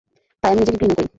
তাই আমি নিজেকে ঘৃণা করি।